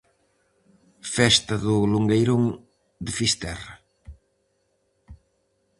Festa do longueiron de Fisterra.